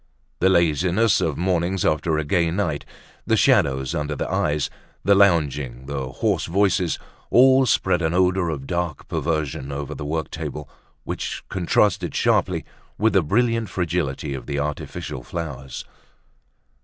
The laziness of mornings after a gay night, the shadows under the eyes, the lounging, the hoarse voices, all spread an odor of dark perversion over the work table which contrasted sharply with the brilliant fragility of the artificial flowers.